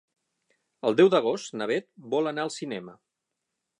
El deu d'agost na Beth vol anar al cinema.